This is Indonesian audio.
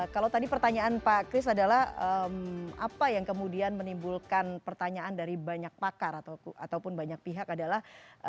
kalau tadi pertanyaan pak kris adalah apa yang kemudian menimbulkan pertanyaan dari banyak pakar ataupun banyak pihak adalah